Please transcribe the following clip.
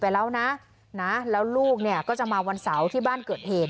ไปแล้วนะนะแล้วลูกเนี่ยก็จะมาวันเสาร์ที่บ้านเกิดเหตุ